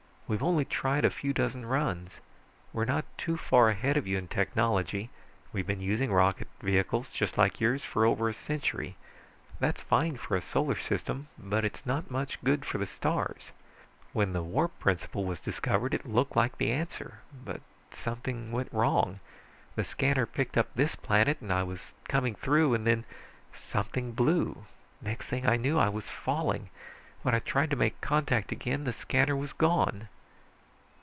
We've only tried a few dozen runs. We're not too far ahead of you in technology. We've been using rocket vehicles just like yours for over a century. That's fine for a solar system, but it's not much good for the stars. When the warp principle was discovered, it looked like the answer. But something went wrong, the scanner picked up this planet, and I was coming through, and then something blew. Next thing I knew I was falling. When I tried to make contact again, the scanner was gone!"